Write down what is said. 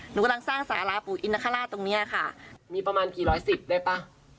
หนูกำลังสร้างสาราปู่อินนคราชตรงเนี้ยค่ะมีประมาณกี่ร้อยสิบได้ป่ะ